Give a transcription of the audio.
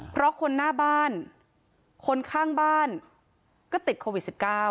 เพราะคนหน้าบ้านคนข้างบ้านก็ติดโควิด๑๙